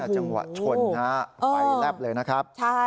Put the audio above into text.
จังหวะชนไฟแลบเลยนะครับ